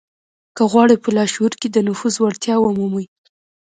که غواړئ په لاشعور کې د نفوذ وړتيا ومومئ.